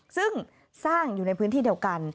ซึ่งสร้างอยู่ในพื้นที่เดียวกัน